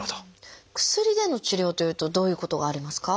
薬での治療というとどういうことがありますか？